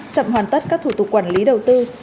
chậm hoàn tất các thủ tục quản lý đầu tư